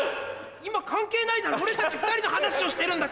今関係ないだろ俺たち２人の話をしてるんだから。